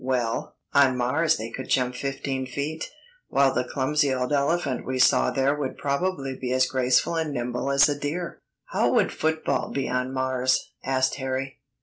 Well, on Mars they could jump fifteen feet, while the clumsy old elephant we saw there would probably be as graceful and nimble as a deer." "How would football be on Mars?" asked Harry.